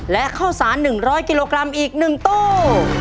และข้าวสาร๑๐๐กิโลกรัมอีก๑ตู้